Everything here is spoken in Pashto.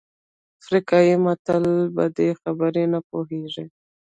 افریقایي متل وایي بدې خبرې نه هېرېږي.